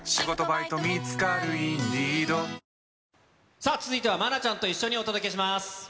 さあ、続いては愛菜ちゃんと一緒にお届けします。